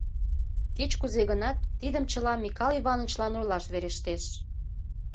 Кеч-кузе гынат, тидым чыла Микал Иванычлан ойлаш верештеш.